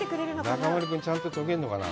中丸君、ちゃんと研げるのかな。